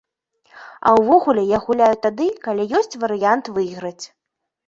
А ўвогуле я гуляю тады, калі ёсць варыянт выйграць.